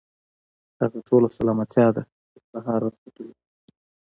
هغه ټوله سلامتيا ده، تر سهار راختلو پوري